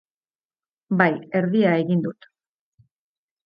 Bai, erdia egin dut.